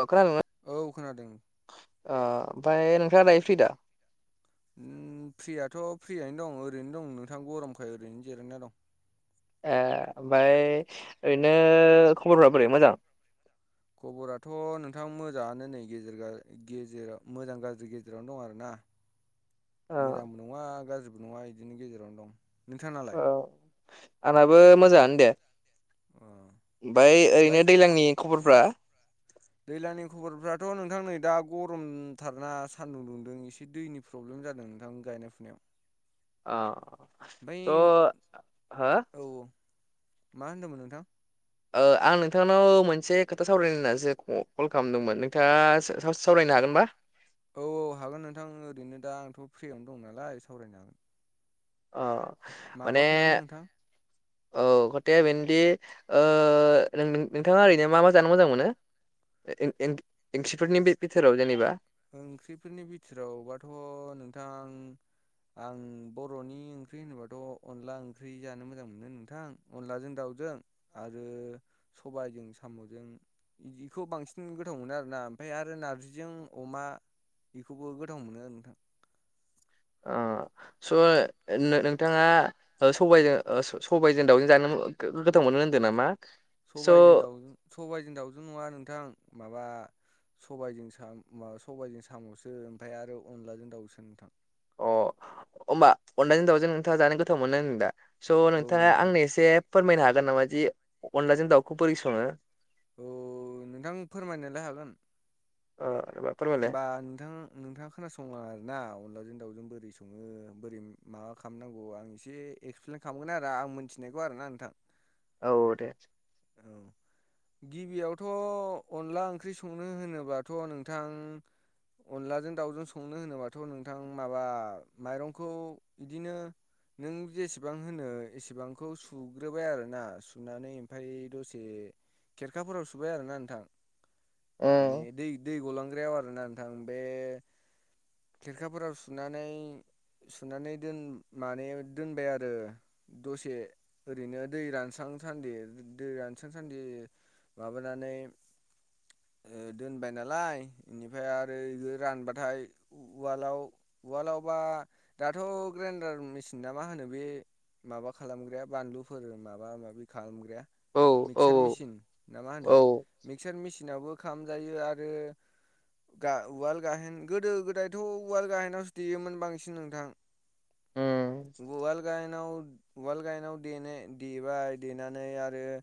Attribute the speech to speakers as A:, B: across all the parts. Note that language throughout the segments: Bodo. A: औ
B: औ खोनादों
A: खोनादोंना ओमफ्राय नोंथाङा दायो फ्रि दा?
B: उम फ्रियाथ' फ्रियानो दं ओरैनो दं नोंथां गरमखाय ओरैनो जिरायना दं।
A: ए ओमफ्राय ओरैनो खबरफोरा बोरै मोजां?
B: खबराथ' नोंथां मोजाङानो नै गेजेरगा गेजेराव मोजां गाज्रि गेजेरावनो दं आरो ना।
A: [inaudible]
B: मोजांबो नङा गाज्रिबो नङा बिदिनो गेजेरावनो दं। नोंथां नालाय?
A: आंहाबो मोजाङानो दे।
B: ओमफ्राय
A: ओमफ्राय ओरैनो दैलांनि खबरफ्रा
B: दैज्लांनि खबरफ्राथ' नोंथां नै दा गरमथारना सान्दुं दुंदों एसे दैनि प्रब्लेम जादों नोंथां गायनाय फुनायाव।
A: अ
B: ओमफ्राय
A: औ हो
B: औ औ मा होनदोंमोन नोंथां?
A: ओ आं नोंथांनाव मोनसे खोथा सावरायनो होननासो कल खालामदोंमोन नोंथाङा सा सावरायना हागोनबा
B: औ औ हागोन नोंथां ओरैनो दा आंथ' फ्रियावनो दं नालाय सावरायनो हागोन
A: अ
B: माबा
A: माने
B: खोथामोन नोंथां
A: औ खोथाया बेनोदि नोंथाङा ओरैनो मा मा जानो मोजां मोनो ओंखिफोरनि बिथोराव जेनेबा
B: ओंख्रिफोरनि बिथोरावबाथ' नोंथां आं बर'नि ओंख्रि होनोबाथ' अनला ओंख्रि जानो मोजां मोनो नोंथां अनलाजों दाउ 'जों आरो सबायजों साम'जों बिखौ बांसिन गोथाव मोनो आरो ना ओमफ्राय आरो नार्जिजों अमा बेखौबो गोथाव मोनो आरो नोंथां
A: ओ स' नो-नोंथाङा सबायजों ओ स-सबायजों दाउजों जानो गो-गोथाव मोनो नामा? स'
B: सबायजों दाव
A: अ
B: सबायजों दावजों नङा नोंथां माबा सबायजों साम सबायजों साम'सो ओमफ्राय आरो अनलाजों दाउसो नोंथां।
A: अ होमबा अनलाजों दावजों नोंथाङा जानो गोथाव मोनो होनदों दा? स'
B: औ
A: नोंथाङा
B: नोंथां
A: आंनो एसे फोरमायनो हागोन नामा जि अनलाजों दाउखौ बोरै सङो?
B: औ नोंथां फोरमायनोलाय हागोन।
A: ओ एबा फोरमायलाय
B: होमबा नोंथां नोंथाङा खोनासंलां आरोना अनलाजों दावजों बोरै सङो बोरै माबा खालामनांगौ आं एसे एक्सप्लेन खालामगोन आरो आं मिथिनायखौ आरो ना नोंथां
A: औ दे
B: औ गिबियावथ' अनला ओंख्रि संनो होनोबाथ' नोंथां अनलाजों दाउजों संनो होनोबाथ' नोंथां माबा माइरंखौ बिदिनो नों जेसेबां होनो एसेबांखौ सुग्रोबाय आरो ना सुनानै ओमफ्राय दसे खेरखाफोराव सुबाय आरोना नोंथां। माने
A: उम
B: दै दै गलांग्रायाव आरोना नोंथां बे खेरखाफोराव सुनानै सुनानै दोन माने दोनबाय आरो दसे ओरैनो दै रानस्रां स्रां सान्दि दै रानस्रां सान्दि माबानानै ओ दोनबाय नालाय बेनिफ्राय आरो बे रानबाथाय उवालाव उवालावबा दाथ' ग्राइन्डार मेसिन ना मा होनो बे माबा खालामग्राया बानलुफोर माबा माबि खालामग्राया
A: औ औ
B: मिक्चार मिसिन ना मा
A: औ
B: होनो मिक्चार मेसिन नावबो खालामामजायो आरो गा- उवाल गाहेन गोदो गोदायथ' उवाल गाहेनावसो देयोमोन बांसिन नोंथां।
A: उम
B: उवाल गाइनाव उवाल गाइनाव देनै- दबाय देनानै आ रो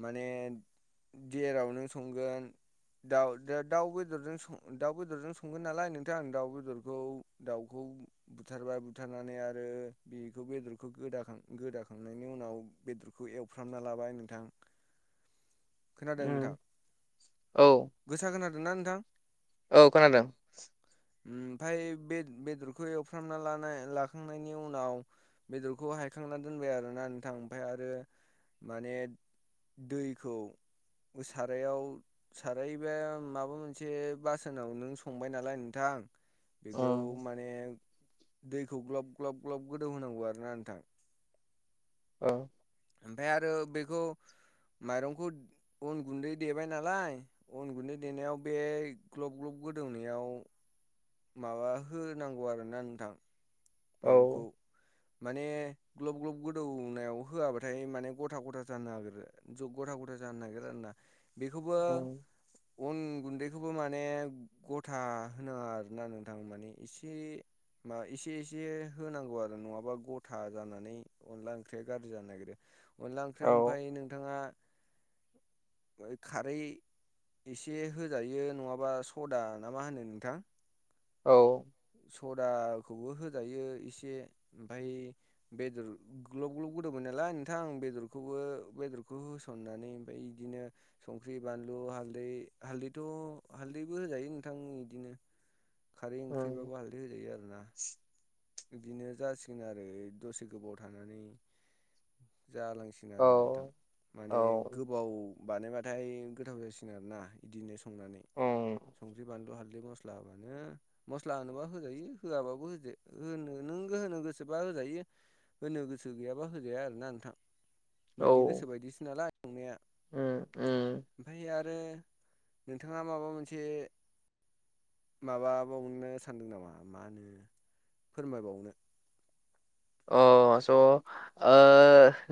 B: माने जेरावनो संगोन दाउ द- दाउ बेदरजों दाउ बेदरजों संगोन नालाय नोंथाङा आं दाउ बेदरखौ दाउखौ बुथारबाय बुथारनानै आरो बेखौ बेदरखौ गोदाखां गोदाखांनायनि उनाव बेदरखौ एवफ्राम लाबाय नोंथां। खोनादों नोंथां?
A: उम औ
B: गोसा खोना दोंना नोंथां?
A: औ खोनादोंं।
B: ओमफ्राय बे बेदरखौ एवफ्रामना लानाय लाखांनायनि उनाव बेदरखौ हायखांना दोनबाय आरोना नोंथां ओमफ्राय आरो माने दैखौ सारायाव साराय बे माबा मोनसे बासोनाव नों संबाय नालाय नोंथां बेखौ
A: औ
B: माने दैखौ ग्लाब ग्लाब ग्लाब गोदौ होनांगौ आरोना नोंथां।
A: औ
B: ओमफाय आरो बेखौ माइरंखौ अन गुन्दै देबाय नालाय अन गुन्दै देनायाव बे ग्लब ग्लब गोदौनायाव माबा होनांगौ आरोना नोंथां माबाखौ
A: औ
B: माने ग्लब ग्लब गोदौनायाव होआबाथाय माने गथा गथा जानो हागिर गथा गथा जानो नागिरा आरोना बेखौबो
A: उम
B: अन गुन्दैखौबो माने गथा होनो आरोना नोंथां माने एसे मा इसे बिदि होनांगौ आरो नङाबा गथा जानानै अनला ओंख्रिया गाज्रि जानो नागिरो अनला
A: औ
B: ओंख्रियाव ओमफ्राय नोंथाङा
A: [inaudible]
B: खारै एसे होजायो नङाबा सदा ना मा होनो नोंथां?
A: औ
B: सदाखौबो हो जायो इसे ओमफ्राय बेदर ग्लब ग्लब गोदौबायनालाय नोंथां बेदरखौबो बो बेदरखौ होसननानै ओमफ्राय बिदिनो संख्रि बानलु हालदै हालदैथ' हालदैबो होजायो नोंथां इदिनो।
A: [inaudible]
B: खारै
A: उम
B: ओंख्रिबाबो हालदै होजायो आरोना। बिदिनो जासिगोन आरो दसे गोबाव थानानै जालांसिन
A: औ
B: आरो नोंथां माने
A: औ
B: गोबाव बानायबाथाय गोथाव जासिगोन आरोना बिदिनो संनानै
A: उम
B: संख्रि बानलु हाल दै मस्ला होबानो मस्ला होनोबा होजायो होआबाबो होजा होनो नों होनो गोसोबा होजायो होनो गोसो गैयाबा होजाया आरोना नोंथां।
A: औ
B: नोंनि गोसो बायदिसो नालाय। संनाया
A: उम उम।
B: रो नोंथाङा माबा मोनसे माबाबावनो सानदों नामा मा होनो फोरमायबावनो?
A: अ स' ओ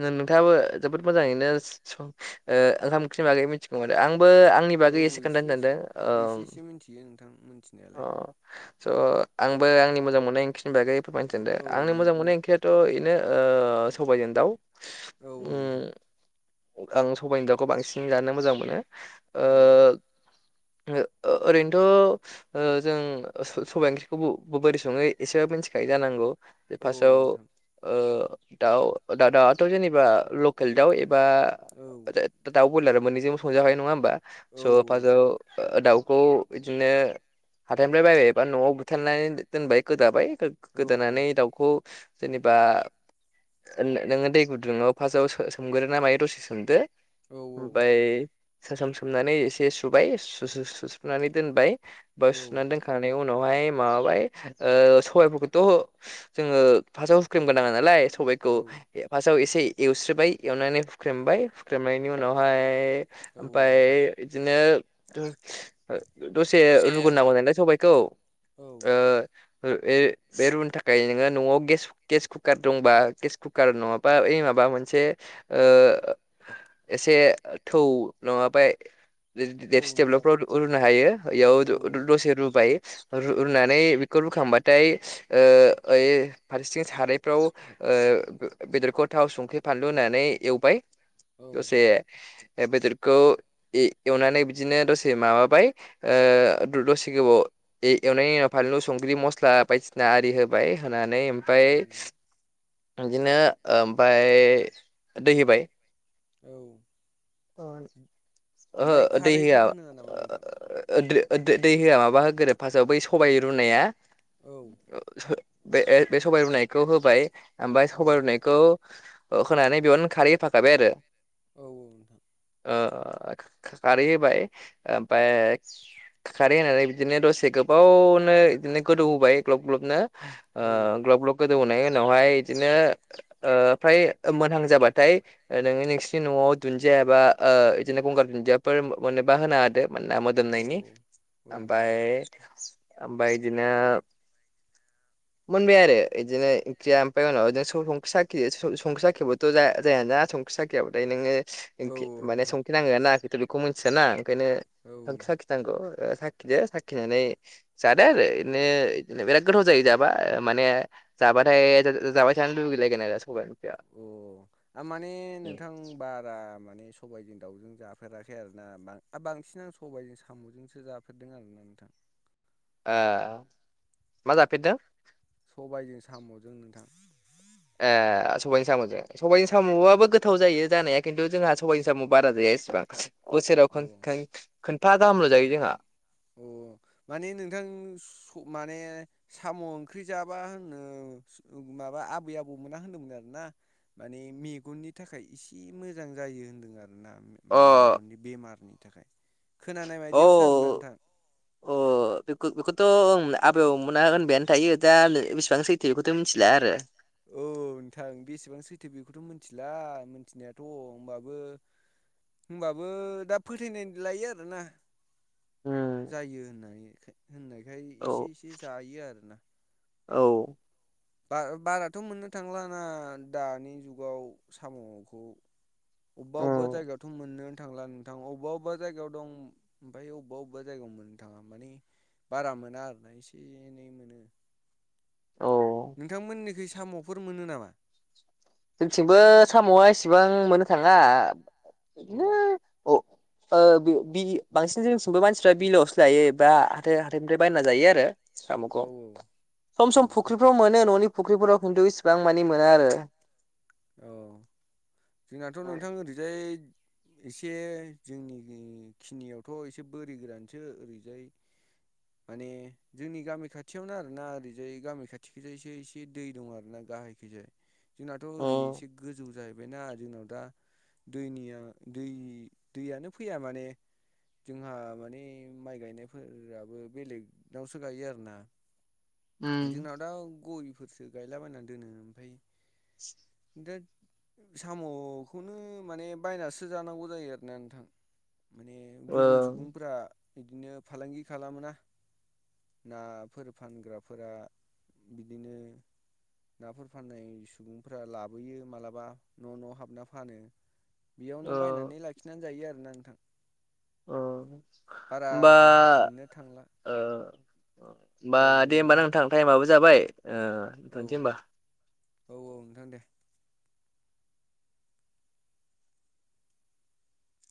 A: नों-नोंथाङाबो जोबोद मोजाङैनो स ओ ओंखाम ओंख्रिनि बागै मिथिगौ माने आंबो आंनि
B: औ
A: बागै एसे खोन्थानो सानदों ओम
B: थां मोनथिनायालाय।
A: स' आंबो आंनि मोजां मोननाय ओंख्रिनि बागै फोरमायनो सानदों
B: औ
A: आंनि
B: नों
A: मोजां
B: नों
A: मोननाय ओंख्रियाथ' दिनो ओ सबायजों दाउ
B: औ औ नोंथां
A: उम आं सबाइजों दावखौ बांसिन जानो मोजां मोनो ओ
B: औ
A: ओ ओरैनोथ' ओ जों ओ स-सबाय ओंख्रिखौ बोरै सङो एसेबाबो मिनथिखायो जानांगौ। बे
B: औ
A: फासआव
B: नोंथां
A: ओ दाउ दा-दाउआथ' जेनेबा लकेल दाउ बा
B: औ
A: दा दाउ बयलार मोननैजोंबो संजाखायो नङा होमबा?
B: औ
A: स' फासआव ओ दाउखौ बिदिनो हाथाइनिफ्राय बायबायबा न'आव बुथारनानै दोनबाय गोदाबाय। गो-गोदानानै दाउखौ जेनेबा नोङो दै गुदुङाव फासआव सो-सोमगोरो ना मायो दसे सोमदो।
B: औ औ औ
A: ओमफाय सो-सोम-सोमनानै एसे सुबाय सु-सु-सु-सुनानै दोनबाय बा
B: औ
A: सुनानै दोनखांनानै उनाव उनावहाय माबाबाय ओ सबाइफोरखौथ' जोङो फासआव हुख्रेमगोनाङा दालाय।
B: औ
A: सबायखौ ए फास्टआव एसे एवस्रोबाय एवनानै हुख्रेमबाय हुख्रेमनायनि उनावहाय
B: औ नोंथां
A: ओमफाय इदिनो दसे रु नांगौ नालाय सबायखौ ओ
B: औ
A: ओ ए बे रुनो थाखाय नोङो न'आव गेस गेस कुकार दंबा गेस कुकार नङाबा ए माबा बा मोनसे ओ एसे थौ नङाबा
B: थौ न'आव
A: दे-दे-दे-देबसिथेबलाफ्राव रु-रुनो हायो इयाव
B: औ
A: द-दसे रुबाय। र-रुनानै बेखौ रुखांबाथाय ओ ओइ फारसेथिं सारायफ्राव ओ‌ बे-बेदरखौ थाव संख्रि फानलु होनानै एवबाय
B: औ
A: दसे। ओ बेदरखौ ए-एवनानै बिदिनो दसे माबाबाय ओ लसे गोबाव ए-एवनायनि उनाव फानलु संख्रि मस्ला बायदिसिना आरि होबाय। होनानै ओमफाय
B: नोंथां
A: बिदिनो ओमफाय दै होबाय।
B: औ।
A: ओहो दै होया
B: खारैफोर होनाङा नामा नोंथां
A: ओ दो ओ दो-दै होआ माबा होगोरो फार्स्टआव बै सबाइ रुनाया
B: औ
A: बे बे सबाय रुनायखौ होबाय ओमफ्राय
B: औ औ
A: सबाइ रुनायखौ अ होनानै बेयावनो खारै होफाखाबाय आरो
B: औ औ नोंथां।
A: ओ खा-खारै होबाय ओमफाय खारै होनानै बिदिनो दसे गोबाव नो इदिनो गोदौ होबाय गब्ल गब्लनो ओ
B: औ
A: गब्ल गब्ल गो दौ उनावहाय इदिनो ओ फ्राय मोनहां जाबाथाय नोङो नोंसिनि न'आव दुन दियाबा ओ इदिनो गंगार दुन्दियाफोर मोनोबा होनो हादो। मोना
B: औ
A: मोदोमनायनि
B: औ
A: ओमाय ओमफ्राय इदिनो मोनबाय आरो इदिनो ओंख्रिया ओमफ्राय उनाव संख्रि साखि संख्रि साखियावबोथ' जायाना सं साखियाबाथाय
B: औ
A: नोङो
B: औ
A: माने
B: नोंथां
A: संखिनांगोना नाङाथ बेखौ मोन्थियाना। बेखायनो
B: औ
A: संख्रि
B: नोंथां
A: साखिनांगौ। साखिदो साखिनानै जादो आरो इदिनो इदिनो बिराद गोथाव जायो जा बा माने जाबाथाय जाबाय थानो लुगैलायगोन आरो सबाय
B: अ माने नोंथां बारा माने सबाइजों दाउजों जाफेराखै आरोना बां-बांसिन आं सबाइजों साम'जोंसो जाफेरदों आरो ना। थां।
A: ओ मा जाफेरदों?
B: सबाइजों साम'जों नोंथां।
A: ए सबायनि साम'जों सबाइनि साम'आबो गोथाव जायो। जानाया खिन्थु जोंहा सबाइनि साम' बारा जाया इसेबां बोसोराव खन
B: औ
A: खोनफा गाहामल' जायो जोंहा।
B: अ माने नोंथां माने साम' ओंख्रि जाबा होनो माबा आबै आबौमोना होनदोंमोन आरो ना माने मेगननि थाखाय इसे मोजां जायो होनदों आरो ना माने
A: अ
B: मेगननि बेमारनि थाखाय खोनानाय
A: औ
B: बायदियावसो आरोना नोंथां।
A: अ। बेखौथ' आबै आबौ मोना होनबायानो थायो दा बेसेबां सैथो बेखौथ' मिथिला आरो। [inaudible]
B: औ नोंथां बेसेबां सैथो बेखौथ' मिथिला मिथिनायाथ' होमबाबो होमबाबो दा फोथायनाय लायो आरोना। जायो होननाय होननायखाय एसे
A: औ
B: एसे जायो आरोना।
A: औ।
B: बा बाराथ' मोननो थांलाना दानि जुगाव साम'खौ। अबबा अबबा जायगायावथ' मोनोनो थांला नोंथां अबबा अबबा जायगायाव दं आमफ्राय अबबा अबबा जायगायाव मोननो थाङा माने बारा मोना आरोना एसे एनै मोनो।
A: औ
B: नोंथांमोननिखै साम'फोर मोनो नामा?
A: जोंथिंबो साम'आ इसेबां मोननो थाङा।
B: अ
A: बिदिनो अ ओ बि बि बांसिन जोंनिथिंबो मानसिफ्रा बिलोआवसो लायो बा हाथाइ हाथाइनिफ्राय बायना जायो आरो सामुखौ
B: औ
A: सम
B: औ
A: सम फुख्रिफ्राव मोनो न'नि फुख्रिफोराव खिन्थु इसिबां माने मोना आरो
B: औ जोंनाथ' नोंथां ओरैजाय एसे जोंनि खिनियावथ' एसे बोरि गोरानसो ओरैजाय माने जोंनि गामि खाथियावनो आरोना ओरैजाय गामि खाथिखैजायसो एसे दै दं आरो ना ओखैजाय जोंनाथ'
A: अ
B: ओरै एसे गोजौ जा योना जोंनाव दा दैनिया दैनि दैयानो फैया माने जोंहा माने माइ गायनायफोराबो बेलेगनावसो गायो आरोना।
A: उम
B: जोंनाव दा गयफोरसो गायलाबायनानै दोनो ओमफ्राय
A: [unintelligible] [inaudible]
B: साम'खौनो माने बायनासो जानांगौ जायो आरोना नोंथां माने
A: ओ
B: गुबुन सुबुंफोरा- बिदिनो फालांगि खालामा नाफोर फानग्रा- फोरा बिदिनो- नाफोर फाननाय सुबुंफोरा लाबोयो मालाबा न' न' हाबना फानो,
A: ओ
B: बेयावनो बायनानै लाखिनानै जायो आरोना नोंथां,
A: अ
B: बारा
A: ओमबा
B: मोननो थांला
A: ओ-
B: औ
A: ओमबा दे होमबा नोंथां टाइमाबबो जाबाय
B: औ
A: दोनथ'नोसै होमबा,
B: औ औ नोंथां दे,